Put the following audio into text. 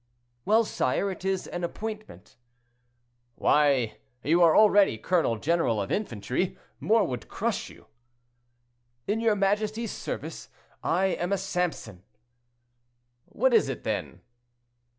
"Well, sire, it is an appointment." "Why, you are already colonel general of infantry, more would crush you." "In your majesty's service, I am a Samson." "What is it, then?"